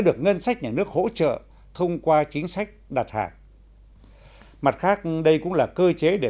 được ngân sách nhà nước hỗ trợ thông qua chính sách đặt hàng mặt khác đây cũng là cơ chế để